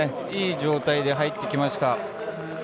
いい状態で入ってきました。